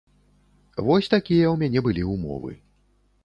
Вось такія ў мяне былі ўмовы.